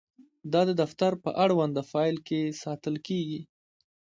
دا د دفتر په اړونده فایل کې ساتل کیږي.